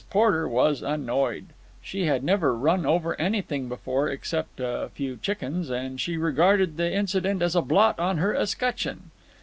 Porter was annoyed. She had never run over anything before except a few chickens, and she regarded the incident as a blot on her escutcheon.